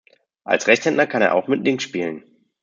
Als Rechtshänder kann er auch mit links spielen.